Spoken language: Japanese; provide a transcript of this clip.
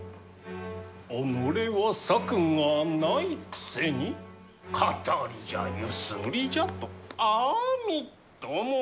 己は策がないくせに騙りじゃゆすりじゃとあみっともない。